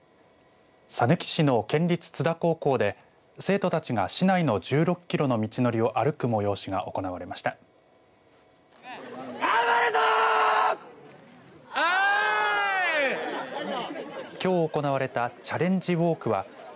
さぬき市の県立津田高校で生徒たちが市内の１６キロの道のりを歩く催しが行われました。